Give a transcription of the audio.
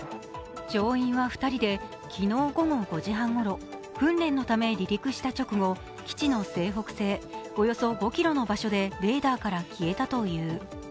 乗員は２人で、昨日午後５時半ごろ訓練のため離陸した直後基地の西北西、およそ５ｋｍの場所でレーダーから消えたという。